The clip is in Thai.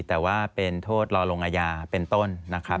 แต่ว่าเป็นโทษรอลงอาญาเป็นต้นนะครับ